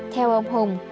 theo ông hùng